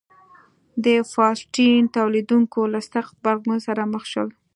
د فاسټین تولیدوونکو له سخت غبرګون سره مخ شول.